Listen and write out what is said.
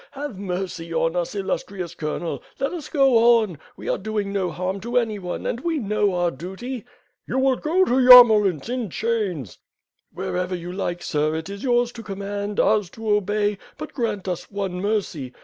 Have mercy on us, il lustrious Colonel. Ijet us go on. We are doing no harm to anyone and we know our duty." "You will go to Yarmolints in chains." "Wherever you like, sir! It is yours to command, ours to obey; but grant us one mercy.